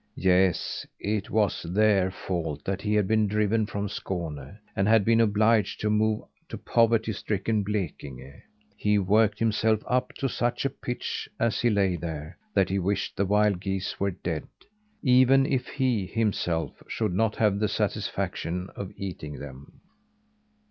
Yes, it was their fault that he had been driven from Skåne, and had been obliged to move to poverty stricken Blekinge. He worked himself up to such a pitch, as he lay there, that he wished the wild geese were dead, even if he, himself, should not have the satisfaction of eating them.